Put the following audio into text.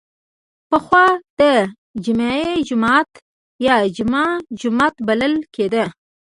پخوا د جمعې جومات یا جمعه جومات بلل کیده.